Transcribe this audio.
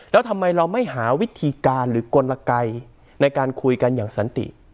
แล้วทำไมเราไม่หาวิธีการหรือกลไกในการคุยกันอย่างสันติ